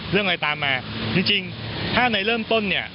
เรื่องอะไรตามมาจริงถ้าในเริ่มต้นเนี่ย